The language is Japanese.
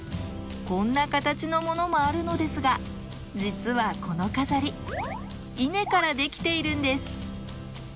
こんな形のものもあるのですが実はこの飾り稲からできているんです。